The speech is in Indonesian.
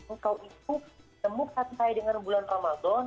engkau itu temukan saya dengan bulan ramadan